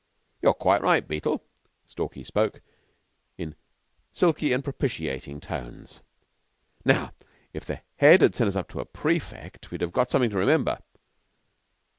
"You're quite right, Beetle." Stalky spoke in silky and propitiating tones. "Now, if the Head had sent us up to a prefect, we'd have got something to remember!"